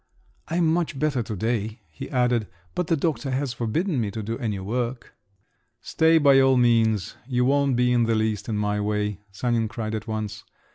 "I am much better to day," he added, "but the doctor has forbidden me to do any work." "Stay by all means! You won't be in the least in my way," Sanin cried at once.